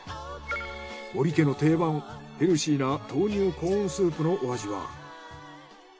森家の定番ヘルシーな豆乳コーンスープのお味は？